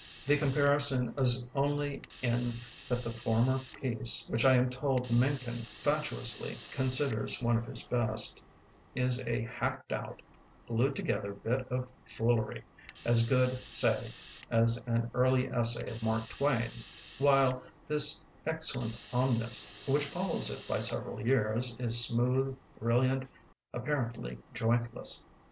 The comparison is only in that the former piece, which I am told Mencken fatu ously considers one of his best, is a hacked out, glued together bit of fool ery, as good, say, as an early essay of Mark Twain's, while this "Exeunt Omnes", which follows it by several years, is smooth, brilliant, apparently jointless.